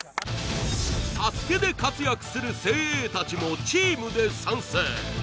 ＳＡＳＵＫＥで活躍する精鋭たちもチームで参戦